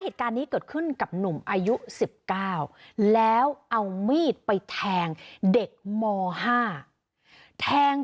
เหตุการณ์นี้เกิดขึ้นกับหนุ่มอายุ๑๙แล้วเอามีดไปแทงเด็กม๕แทง